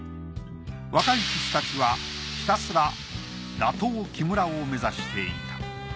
若い棋士たちはひたすら打倒木村を目指していた。